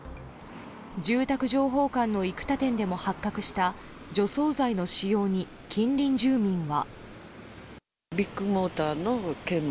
住宅情報館の生田店でも発覚した除草剤の使用に、近隣住民は。